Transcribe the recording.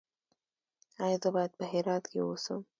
ایا زه باید په هرات کې اوسم؟